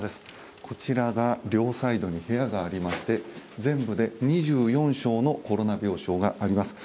両サイドに部屋がありまして全部で２４床のコロナ病床があります。